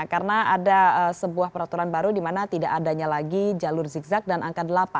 karena ada sebuah peraturan baru di mana tidak adanya lagi jalur zigzag dan angka delapan